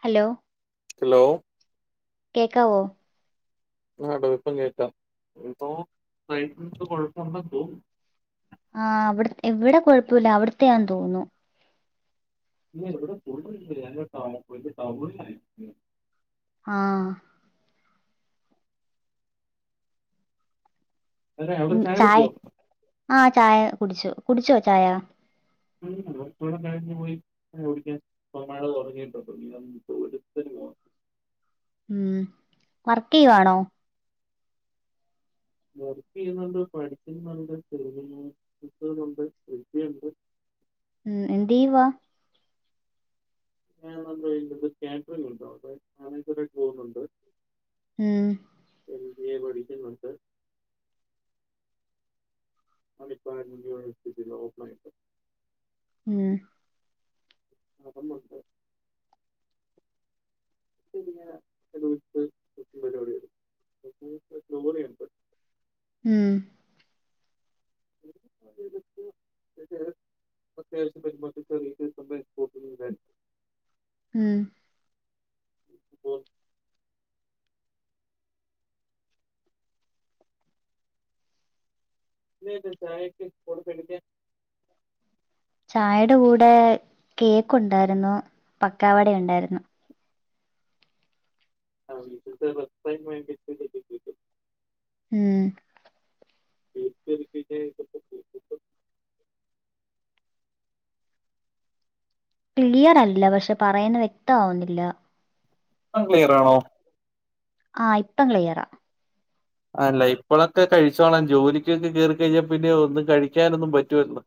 Hello hello കേക്കാവോ ആടോ ഇപ്പം കേക്കാം എന്തോ റേഞ്ച് കൊയപ്പണ്ടെന്ന് തോന്നുന്നു. ആഹ് അവിടെ ഇവിടെ കുഴപ്പല്ല അവിടുത്തെന്ന് തോന്നുന്നു. ഇല്ല ഇവിടെ [unintelligible] ആഹ് അതെ പി അവിടെ ചായ കുടിച്ചോ ആഹ് ചായ കുടിച്ചു കുടിച്ചോ ചായ [unintelligible] കഴിഞ് പോയി [unintelligible] മഴ [unintelligible] ഉം വർക്ക് ചെയ്യുവാണോ വർക്ക് ചെയ്യുന്നുണ്ട് പഠിക്കുന്നുണ്ട് ചെറിയ ഒരു [unintelligible] ഉം എന്തീയ് വാ ഞാൻ നല്ല കാറ്ററിംഗ് ഉണ്ട് അവിടെ മാനേജർ ആയിട്ട് പോകുന്നുണ്ട് ഉം എംബിഎ പഠിക്കുന്നുണ്ട് [unintelligible] യൂർസിറ്റ ഓപ്പ ആയിട്ട് ഉം അതൊന്നണ്ട് ശരിയ ലോറിയുണ്ട് ഉം [unintelligible] ഉം പോ ഇന്നെന്താ ചായക്ക് [unintelligible] പെണ്ണിന്റെ ചായയുടെ കൂടെ കേക്ക് ഉണ്ടായിരുന്നു പക്കാവട ഉണ്ടായിരുന്നു ആ വീട്ടിൽത്തെറെസ്റ്റ് ടൈം [unintelligible] ഉം [inaudible] ക്ലിയർ അല്ല പക്ഷെ പറയുന്ന വ്യക്തമാവുന്നില്ല ഇപ്പക്ലിയർ ആണോ ആഹ് ഇപ്പം ക്ലിയറ അല്ല ഇപ്പോഴൊക്കെ കഴിച്ചോളൻ ജോലിക്കൊക്കെ കേറി കഴിഞ്ഞാൽ പിന്നെ ഒന്നും കഴിക്കാനൊന്നും പറ്റുവല്ലോ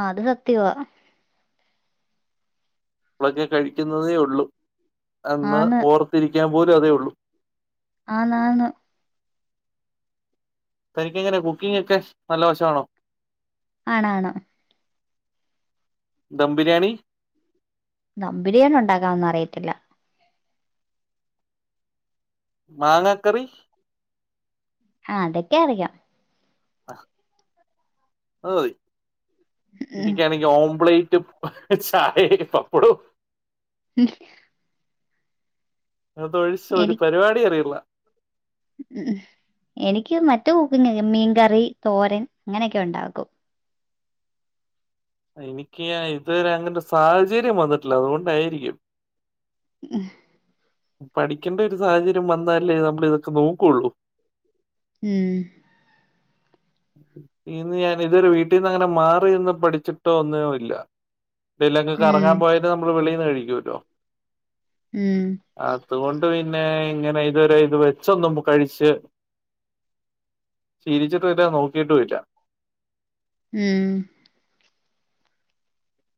ആഹ്അത് സത്യവാ ഇപ്പളക്കെ കഴിക്കുന്നതേ ഉള്ളൂ അന്ന് ആന്ന് ഓർത്തിരിക്കാൻ പോലും അതേ ഉള്ളു ആന്നാ ന്നാണ് തനിക്ക് എങ്ങനെ കുക്കിംഗ് ഒക്കെ നല്ല വശമാണോ ആണ് ആണ് ദം ബിരിയാണി ദം ബിരിയാണി ഉണ്ടാക്കാംന്ന് അറയത്തില്ല മാങ്ങ കറി ആഹ് അതൊക്കെ അറിയാം ആ അത് മതി ഉം നിക്കക്കാണി ഓംബ്ലേറ്റും ചായേം പപ്പടോം ഉം അതൊഴിച്ച് ഒരു എനി പരിപാടി അറിയില്ല ഉം എനിക്ക് മറ്റേ കുക്കിംഗ് മീൻകറി, തോരൻ അങ്ങനെയൊക്കെ ഉണ്ടാക്കും എനിക്ക് ഇതുവരെ അങ്ങൻ ത്തെ സാഹചര്യം വന്നിട്ടില്ല അതുകൊണ്ടായിരിക്കും ഏ പഠിക്കുമ്പോ ഒരു സാഹചര്യം വന്നാലേ നമ്മളിതൊക്കെ നോക്കുള്ളൂ ഉം ഇന്ന് ഞാൻ ഇതൊരു വീട്ടിൽന്ന് അങ്ങനെ മാറിന്ന് പഠിച്ചിട്ടോ ഒന്നും ഇല്ല ഇല്ലെങ്ങക്ക് ഉം കറങ്ങാൻ പോയാല് നമ്മള് വെളിന്ന് കഴിക്കൊല്ലോ ഉം അതുകൊണ്ട് പിന്നെ ഇങ്ങനെ ഇതവരെ ഇത് വെച്ചൊന്നും കഴിച്ച് [unintelligible] രിച്ചിട്ടും ഇല്ല നോക്കിട്ടും ഇല്ല ഉം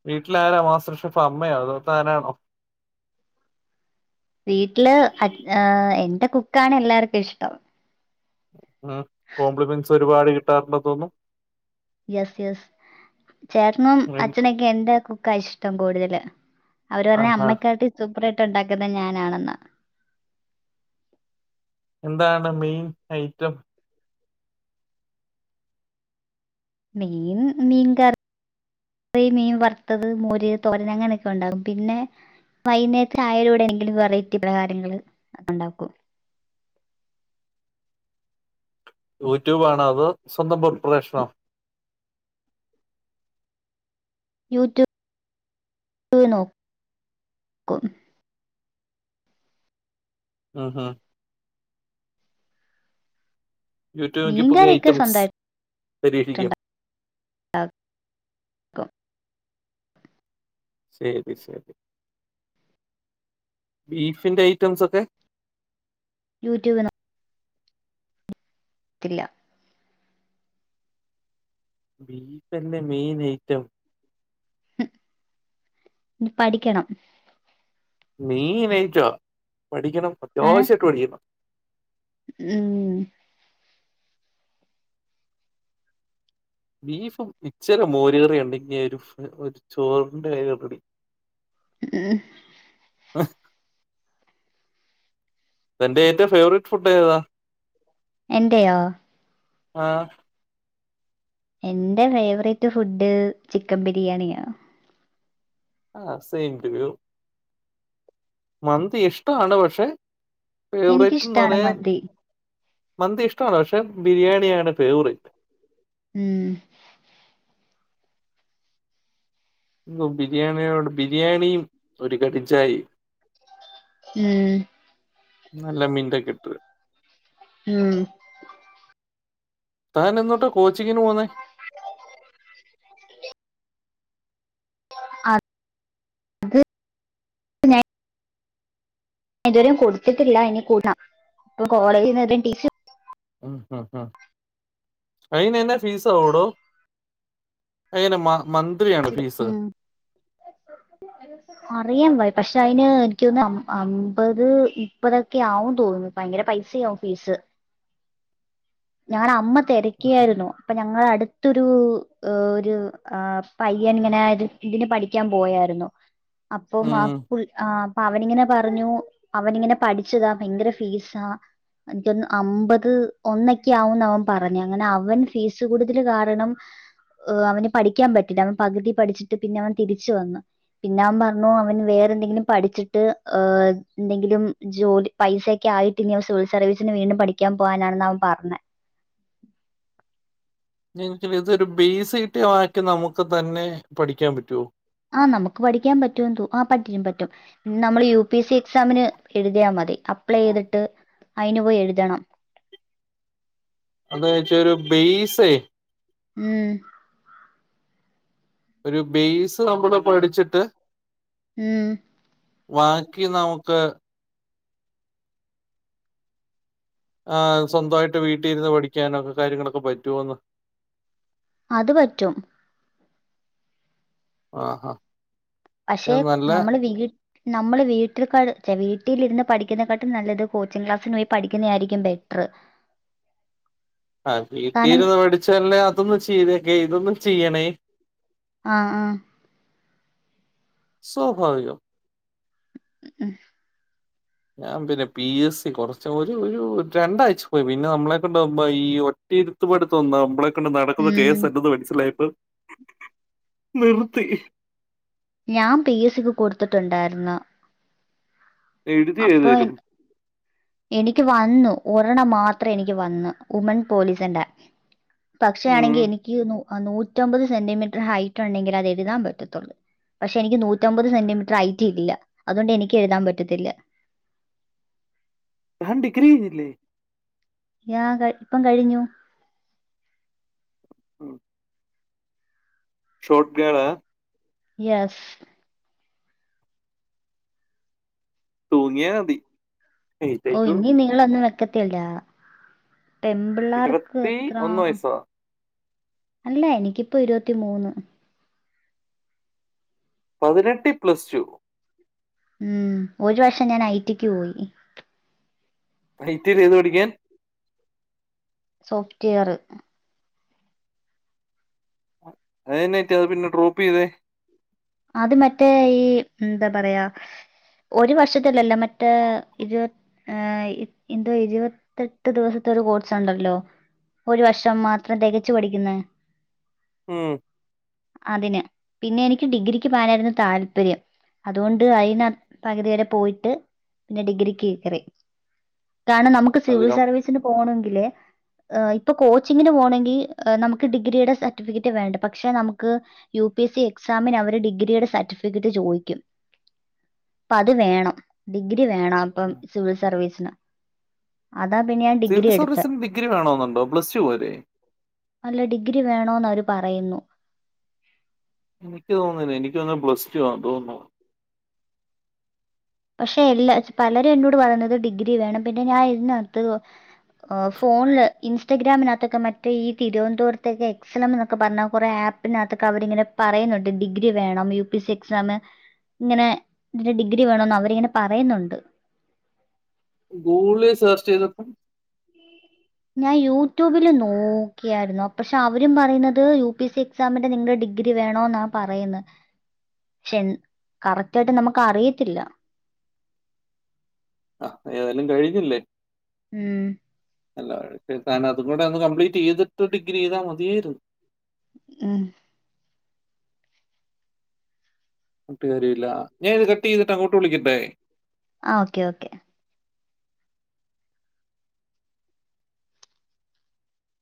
വീട്ടിലാര മാസ്റ്റർ ഷെഫ് അമ്മയോ അതൊ തന്നാണോ വീട്ടില് അ എന്റെ കുക്കാണ് എല്ലാവർക്കും ഇഷ്ടം ഉം കോംപ്ലിമെന്റ്സ് ഒരുപാട് കിട്ടാറുണ്ടന്ന് തോന്നുന്നു യെസ് യെസ് ചേട്ടനും തോന്നുന്നു അച്ഛനൊക്കെ എന്റെ കുക്കാ ഇഷ്ടം കൂടുതല് അവര് പർഞ്ഞേ ആഹാ അമ്മക്കാട്ടി സൂപ്പർായിട്ട് ഉണ്ടാക്കുന്നെ ഞാനാണെന്നാ എന്താണ് മെയ്ൻ ഐറ്റം മീന് മീൻക റി മീൻ വർത്തത് മോര് തോരന് അങ്ങനെയൊക്കെ ഉണ്ടാകും പിന്നെ വൈന്നേര ചായാലൂടെ [unintelligible] ങ്കിലും വെറൈറ്റി പലഹാങ്ങള് ഉണ്ടാക്കും യൂട്യൂബ് ആണോ അതോ സ്വന്തം പ്രിപ്പറേഷനോ യൂടൂബ് [unintelligible] നോക്കും ഉം ഉം യൂട്യൂബ് നോക്കി പുതിയ മീൻകറിയൊക്കെ ഐറ്റംസ് സ്വന്തമായിട്ട് പരീക്ഷിക്കും ആ ക്കും ശരി ശരി ബീഫിന്റെ ഐറ്റംസ് ഒക്കെ യൂട്യൂബന്നെ ഇല്ല ബീഫന്റെ മെയിൻ ഐറ്റം പഠിക്കണം മെയിൻയിറ്റോ പഠിക്കണം ഏ അത്യാവശ്യ [unintelligible] പഠിക്കണം ഉം ബീഫും ഇച്ചരെ മോർ കറിയെണ്ടെങ്കെ ഒരു ചോറിന്റെ [unintelligible] ഉം ആഹ് എന്റെ ഏറ്റവും പ്ലേവർ ഫുഡ് ഏതാ എന്റെയോ ആഹ് എന്റെ ഫേവറേറ്റ് ഫുഡ് ചിക്കൻ ബിരിയാണിയാ ആഹ് സെയിം റിവ്യൂ മന്തി ഇഷ്ടമാണ് പക്ഷെ ഫേവറേറ്റ്ന്ന് എനിക്കിഷ്ടാണ് പറയാ മന്തി മന്തി ഇഷ്ടവാണ് പക്ഷെ ബിരിയാണിയാണ് ഫേവരേറ്റ് ഉം ബിരിയാണിയോട് ബിരിയാണിയും ഒരു കടിച്ചായി ഉം നല്ല മിന്റ് ഒക്കെയിട്ട് ഉം താൻ എന്ന് തൊട്ട കോച്ചിങ്ങിന് പോകന്നേ അ അത് എതുവരും കൊടുത്തിട്ടില്ല അനി കൂടാം ഇപ്പൊ കോളേജിൽ ടീസി ഉ ഹ ഹ അയിന്ന്നെ ഫീസ ആകുടോ എങ്ങനെ മന്ത് ഉം അറിയാൻ വയ്യ പക്ഷെ അതിന് എനക്ക് തോന്നുന്നു അമ്പത് മുപ്പതൊക്കെ ആവുംന്ന് തോന്നുന്നത് ഭയങ്കര പൈസയാവും ഫീസ് ഞങ്ങള അമ്മ തിരക്കിയായിരുന്നു അപ്പൊ ഞങ്ങള അടുത്തൊരു ഒരു ആ പയ്യൻ ഇങ്ങനെ ഇതിന് പഠിക്കാൻ പോയായിരുന്നു അപ്പം ആ ഉം അപ്പ അവനിങ്ങനെ പറഞ്ഞു അവനിങ്ങനെ പഠിച്ചതാ ഭയങ്കര ഫീസാ എനിക്കൊന്ന് അമ്പത് ഒന്നൊക്കെ ആവുംന്ന് അവൻ പറഞ്ഞു അങ്ങനെ അവൻ ഫീസ് കൂടുതൽ കാരണം അവന് പഠിക്കാൻ പറ്റിയില്ല അവൻ പകുതി പഠിച്ചിട്ട് പിന്നെ അവൻ തിരിച്ച വന്നു പിന്നെ അവൻ പറഞ്ഞു അവൻ വേറെ എന്തെങ്കിലും പഠിച്ചിട്ട് ഹ എന്തെങ്കിലും ജോലി പൈസയക്കെ ആയിട്ട് ഇനി സിവിൽ സർവീസിന് വീണ്ടും പഠിക്കാൻ പോകാനാണ് ന അവൻ പറഞ്ഞത് നി ഇതൊരു ബേസിട്ടി ആക്കി നമുക്ക് തന്നെ പഠിക്കാൻ പറ്റുവോ ആഹ് നമുക്ക് പഠിക്കാൻ പറ്റും ത ആ പറ്റും പറ്റും നമ്മള് യു പി എസ് സി എക്സാമിന് എഴുതിയാ മതി അപ്ലൈ ചെയ്തിട്ട് അതിന് പോയി എഴുതണം അതാ വെച്ചാരു ബെയ്സേ. ഉം ഒരു ബേസ് നമ്മള് പടിച്ചിട്ട്. ഉം ബാക്കി നമുക്ക്. ആ സ്വന്തമായിട്ട് വീട്ടിലിരുന്ന് പഠിക്കാനൊക്കെ കാര്യങ്ങളൊക്കെ പറ്റോന്ന്. അത് പറ്റും ആഹാ. പക്ഷെ ഇത് നല്ല നമ്മള് വീട് നമ്മൾ വീട്ടിലി വീട്ടിൽരുന്ന് പഠിക്കുന്നെക്കാട്ടും നല്ലത് കോച്ചിംഗ് ക്ലാസ്സിന് പോയി പഠിക്കുന്നതയിരിക്കും ബെറ്ററ്. ആ കാരണം വീട്ടിരുന്ന് പഠിച്ചല്ലേ അതൊന് ചെയ്തക്കെ ഇതൊന്നും ചെയ്യണേ. ആഹ് ആഹ് സ്വാഭാവികം ഉം ഞാൻ പിന്നെ പി എസ് സി കുറച് ഒരു രണ്ടാഴ്ച പോയി പിന്നെ നമ്മളെ കൊണ്ടവുമ്പ ഈ. ഇരുത്പടുതന്നും നമ്മളെ. നടക്കുന്ന ഉം. കേസല്ലന്ന് മനസ്സിലായപ്പോ നിർത്തി. ഞാൻ പി എസ് സിക്ക് കൊടുത്തിട്ടുണ്ടായിരുന്നു. എഴുതിയോ അപ്പൊ ഏതലും. എനിക്ക് വന്നു ഒരെണ് മാത്രം എനിക്ക് വന് ഉമൻ പോലീസിന്റെ. പക്ഷെ മ്മ്. ആണെങ്കിൽ എനിക്ക് നൂറ്റമ്പത് സെന്റിമീറ്റർ ഹൈറ്റ് ഉണ്ടെങ്കിലെ അത് എഴുതാൻ പറ്റത്തുള്ളൂ. പക്ഷെ എനിക്ക് നൂറ്റമ്പത് സെന്റിമീറ്റർ ഹൈറ്റ് ഇല്ല അതുകൊണ്ട് എനിക്ക് എഴുതാൻ പറ്റത്തില്ല. താൻ ഡിഗ്രി കഴിഞ്ഞില്ലേ? ഞാ ഇത ഇപ്പം കഴിഞ്ഞു. ഉം ഷോട്ട് ഗേളാ? യെസ് തൂങ്ങിയാ മതി ഓഹ് എഴുന്നേറ്റോളൂ. ഇനി നിളവൊന്നും വെക്കത്തില്ല പെംമ്പിള്ളാർക്ക് എത്രാ? വയസ്സാ. അല്ല എനിക്കിപ്പൊ ഇരുപത്തി മൂന്ന് പതിനെട്ടി പ്ല സ് ടു. ഉം ഒരു വർഷം ഞാൻ ഐ. റ്റിക്ക് പോയി. ഐ. റ്റിയില് എത് പഠിക്കാൻ? സോഫ്റ്റ് വെയറ് അഹെന്നാ പറ്റി അത് പിന്നെ ട്രോപ്പ് ചെയ്തെ? അത് മറ്റേ ഈ എന്താ പറയാ ഒരു വർഷത്തലില്ല മറ്റേ ഇരുപ ഏഹ് എന്തോ ഇരുപത്തെട്ട് ദിവസത്തെ ഒരു കോഴ്സുണ്ടല്ലോ? ഒരു വർഷം മാത്രം തെകച്ചു പഠിക്കുന്നെ? ഉം അതിന് പിന്നെ എനിക്ക് ഡിഗ്രി ക്ക് പോവാനായിരുന്നു താല്പര്യം അതുകൊണ്ട് അയിന് പകുതി വരെ പോയിട്ട്. പിന്നെ ഡിഗ്രിക്ക് കേറി കാരണം നമുക്ക് അത് സിവിൽ കം സർവീസിന് പോവണോങ്കില് ഏഹ് ഇപ്പൊ കോച്ചിങ്ങിന് പോകണെങ്കി നമുക്ക് ഡിഗ്രിയുടെ സർട്ടിഫിക്കറ്റ് വേണ്ട പക്ഷെ നമുക്ക് യു പി എസ് സി എക്സാമിന് അവര് ഡിഗ്രി ഡിഗ്രിയുടെ സർട്ടിഫിക്കറ്റ് ചോദിക്കും അപ്പൊ അത് വേണം ഡിഗ്രി വേണം അപ്പം സിവിൽ സർവീസിന് അതാ പിന്നെ ഞാൻ ഡിഗ്രി സിവിൽ എടുത്തേ. സർവീസിന് ഡിഗ്രി വേണോന്നുണ്ടോ? പ്ലസ് ടു പോരെ? അല്ല ഡിഗ്രി വേണോന്ന് അവര് പറയുന്നു. എനിക്ക് തോന്ന്ല്ല എനിക്ക് തോന്നുന്നെ പ്ലസ്ട്ടുവാന്ന് തോന്നുന്നു പക്ഷെ എല്ലാ പലരും എന്നോട് പറയ്ന്നത് ഡിഗ്രി വേണം പിന്നെ ഞാൻ ഇതിനാത്ത് എഹ് ഫോണ്ല് ഇൻസ്റ്റഗ്രാമിനകത്തൊക്കെ മറ്റേ ഈ തിരുവനന്തപുരത്തെക്കെ എക്സെലം എന്നൊക്കെ പറ്ഞ്ഞ കൊറെ ആപ്പ് നകത്തൊക്കെ അവരിങ്ങനെ പറയുന്നുണ്ട് ഡിഗ്രി വേണം യു പി സി എക്സാമിന് ഇങ്ങനെ ഇതിന്റെ ഡിഗ്രി വേണോന്ന് അവരിങ്ങനെ പറയുന്നുണ്ട് ഗൂഗ്ളീ സെർച്ചെയ്തപ്പം ഞാൻ യൂട്യൂബില് നോക്കിയായ്ര്ന്നു പക്ഷെ അവരും പറയുന്നത് യു പി സി എക്സാമിന് നിങ്ങക്ക് ഡിഗ്രി വേണോന്നാ പറയുന്ന് പക്ഷെ എന്താ കറക്റ്റായിട്ട് നമ്മക്ക് അറിയത്തില്ല ആഹ് ഏതായാലും കഴിഞ്ഞില്ലേ? ഉം അല്ലാ താൻ അതും കൂടെയൊന്ന് കംപ്ലീറ്റെയ്ത്ട്ട് ഡിഗ്രി ചെയ്താ മതിയായ്ര്ന്ന് ഉം പറഞ്ഞ്ട്ട് കാര്യവില്ലാ ഞാ ഇത് കട്ടെയ്തിട്ട് അങ്ങോട്ട് വിളിക്കട്ടെ? ആഹ് ഓക്കെ ഓക്കെ